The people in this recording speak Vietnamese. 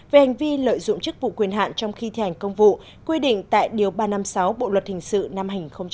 về hành vi lợi dụng chức vụ quyền hạn trong khi thi hành công vụ quy định tại điều ba trăm năm mươi sáu bộ luật hình sự năm hai nghìn một mươi năm